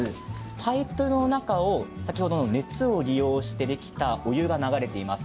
パイプの中を先ほどの熱を利用してできたお湯が流れています。